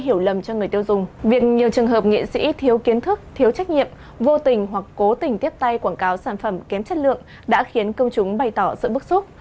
kém chất lượng đã khiến công chúng bày tỏ sự bức xúc